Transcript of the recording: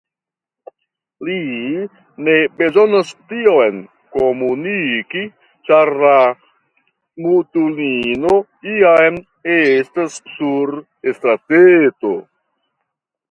Li ne bezonas tion komuniki, ĉar la mutulino jam estas sur la strateto.